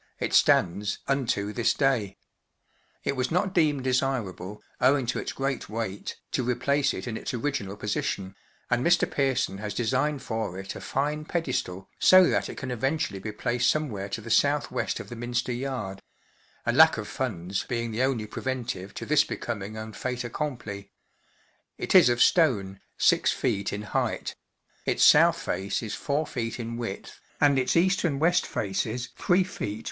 it stands i4 unto this day, 11 It was not deemed desirable, owing to its great weight, to replace it in its original posi¬ tion, and Mr. Pearson has de¬ signed for it a fine pedestal, so that it can even tually be placed somewhere to the south west of the Minster yard ; a lack of funds being the only preventive to this becoming un fait accompli It is of stone, 6ft. in height; its south face is 4ft, in width, and its east and west faces 3ft.